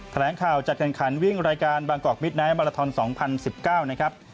แถลงข่าวจัดการขันวิ่งรายการบางกอกมิดไนท์มาลาทอน๒๐๑๙นะครับ